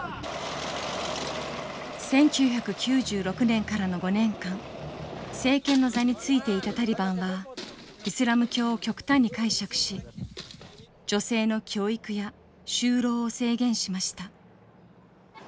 １９９６年からの５年間政権の座についていたタリバンはイスラム教を極端に解釈し女性の教育や就労を制限しました。